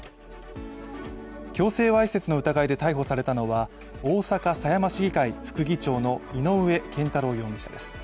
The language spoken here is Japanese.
強制わいせつの疑いで逮捕されたのは大阪狭山市議会副議長の井上健太郎容疑者です。